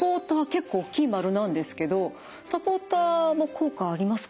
結構大きい丸なんですけどサポーターも効果ありますか？